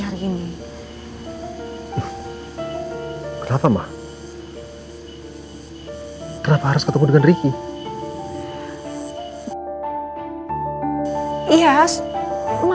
atas perbuatan tidak menyenangkan